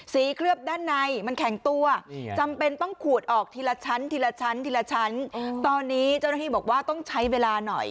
เคลือบด้านในมันแข็งตัวจำเป็นต้องขูดออกทีละชั้นทีละชั้นทีละชั้นตอนนี้เจ้าหน้าที่บอกว่าต้องใช้เวลาหน่อย